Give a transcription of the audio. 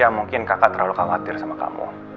ya mungkin kakak terlalu khawatir sama kamu